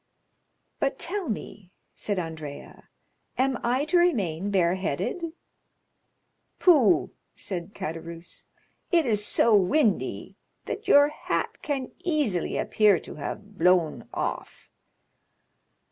"But, tell me," said Andrea, "am I to remain bareheaded?" "Pooh," said Caderousse; "it is so windy that your hat can easily appear to have blown off."